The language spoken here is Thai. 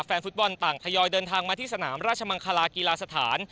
แฟนฟุตบอลต่างทยอยเดินทางมาที่สนามราชมังคลากีฬาสถาน